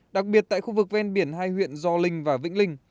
đặc biệt tại khu vực ven biển hai huyện do linh và vĩnh linh